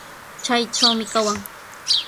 Chaytrawmi kawan.